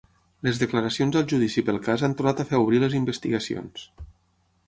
Les declaracions al judici pel cas han tornat a fer obrir les investigacions